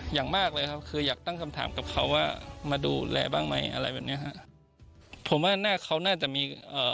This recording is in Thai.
อย่างมากเลยครับคืออยากตั้งคำถามกับเขาว่ามาดูแลบ้างไหมอะไรแบบเนี้ยฮะผมว่าหน้าเขาน่าจะมีเอ่อ